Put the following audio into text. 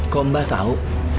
kok mbah tau